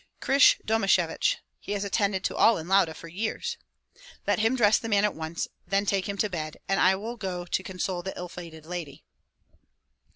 "Krysh Domashevich. He has attended to all in Lauda for years." "Let him dress the man at once, then take him to bed, and I will go to console the ill fated lady."